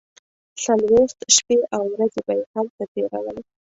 څلوېښت شپې او ورځې به یې هلته تیرولې.